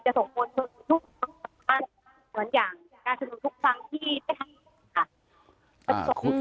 แต่ทุกคนจะสงควรอย่างใช่จะได้สนุนทุกฝั่งที่ได้ขำดูกฝั่ง